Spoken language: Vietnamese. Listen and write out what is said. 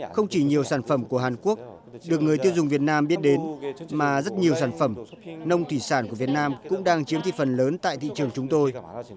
không chỉ nhiều sản phẩm của hàn quốc được người tiêu dùng việt nam biết đến mà rất nhiều sản phẩm nông thủy sản của việt nam cũng đang chiếm thị phần lớn tại thị trường chúng tôi